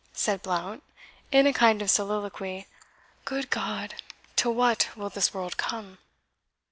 said Blount, in a kind of soliloquy; "Good God, to what will this world come!"